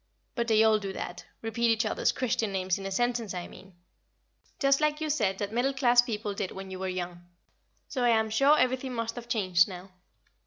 But they all do that repeat each other's Christian names in a sentence, I mean just like you said that middle class people did when you were young, so I am sure everything must have changed now.